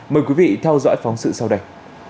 mời quý vị theo dõi phóng sự sau đây